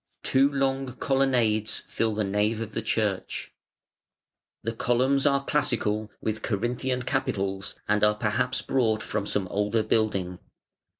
Two long colonnades fill the nave of the church. The columns are classical, with Corinthian capitals, and are perhaps brought from some older building.